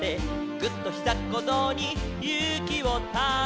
「ぐっ！とひざっこぞうにゆうきをため」